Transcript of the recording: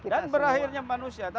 dan berakhirnya kita